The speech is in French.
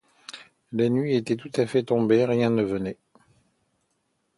La nuit était tout à fait tombée, rien ne venait.